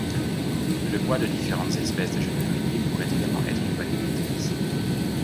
Le bois de différentes espèces de Genévrier pourrait également être une bonne hypothèse.